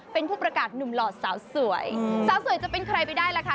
เป็นผู้ประกาศหนุ่มหล่อสาวสวยสาวสวยจะเป็นใครไปได้ล่ะคะ